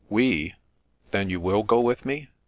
" We? Then you will go with me